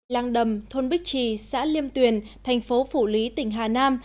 làng đầm thôn bích trì xã liêm tuyền thành phố phủ lý tỉnh hà nam